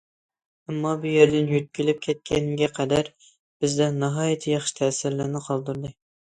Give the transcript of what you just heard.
ئەمما، بۇ يەردىن يۆتكىلىپ كەتكەنگە قەدەر بىزدە ناھايىتى ياخشى تەسىرلەرنى قالدۇردى.